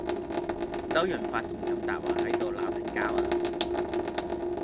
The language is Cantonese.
周潤發同任達華喺度鬧緊交呀